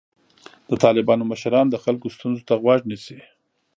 د طالبانو مشران د خلکو ستونزو ته غوږ نیسي.